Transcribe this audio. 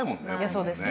そうですね。